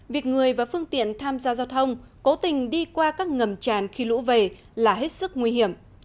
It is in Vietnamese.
việc người và phương tiện tham gia giao thông cố tình đi qua các ngầm tràn khi lũ về là hết sức nguy hiểm